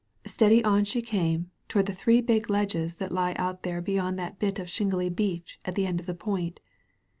Steady on she came, toward the three big ledges that lie out there beyond that bit of shingly beach at the end of the point.